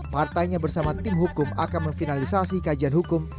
partainya bersama tim hukum akan memfinalisasi kajian hukum